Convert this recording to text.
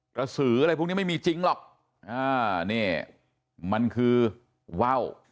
กระสืออะไรพวกนี้ไม่มีจริงหรอกอ่านี่มันคือว่าว